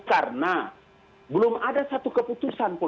karena belum ada satu keputusan